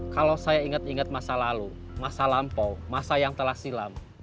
kalau saya ingat ingat masa lalu masa lampau masa yang telah silam